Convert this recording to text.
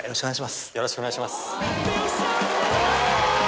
よろしくお願いします。